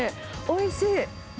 おいしい。